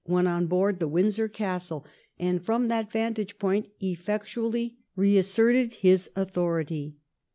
went on board the Windsor Castle, and from that vantage ground effectually re asserted his authority.